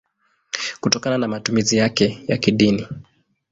kutokana na matumizi yake ya kidini.